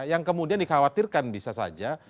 yang kemudian dikhawatirkan bisa saja